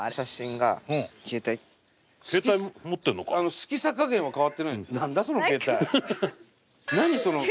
好きさ加減は変わってない？